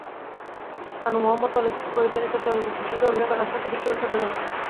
আনু মুহাম্মদ পরিচালিত চলচ্চিত্রটিতে অভিনয় করেন আশরাফ সিদ্দিকী এবং সজল নূর।